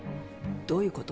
どういうこと？